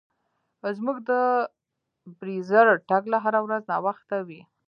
زموږ د بریځر ټکله هره ورځ ناوخته وي.